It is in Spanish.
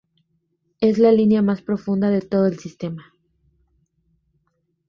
Es la línea más profunda de todo el sistema.